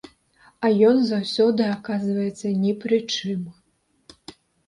А ён заўсёды аказваецца ні пры чым.